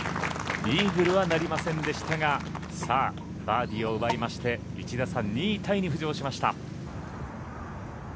イーグルはなりませんでしたがバーディーを奪いまして１打差、２位タイに浮上しました。